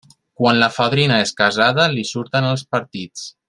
Quan la fadrina és casada, li surten els partits.